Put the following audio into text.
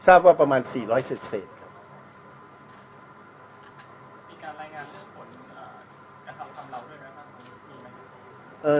ทราบว่าประมาณ๔๐๐เศษครับ